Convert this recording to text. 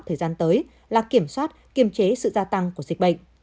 thời gian tới là kiểm soát kiềm chế sự gia tăng của dịch bệnh